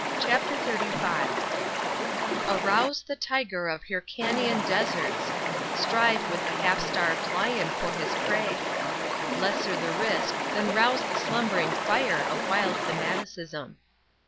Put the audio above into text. CHAPTER XXXV Arouse the tiger of Hyrcanian deserts, Strive with the half starved lion for his prey; Lesser the risk, than rouse the slumbering fire Of wild Fanaticism.